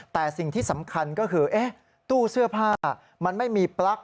แต่สิ่งที่สำคัญก็คือตู้เสื้อผ้ามันไม่มีปลั๊ก